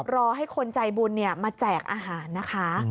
รอให้คนใจบุญมาแจกอาหารนะคะ